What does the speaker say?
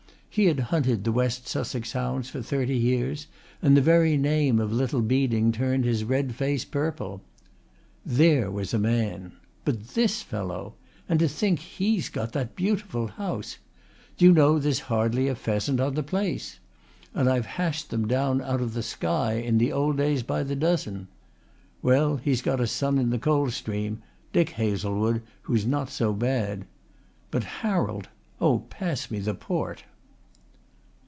He had hunted the West Sussex hounds for thirty years and the very name of Little Beeding turned his red face purple. "There was a man. But this fellow! And to think he's got that beautiful house! Do you know there's hardly a pheasant on the place. And I've hashed them down out of the sky in the old days there by the dozen. Well, he's got a son in the Coldstream, Dick Hazlewood, who's not so bad. But Harold! Oh, pass me the port!"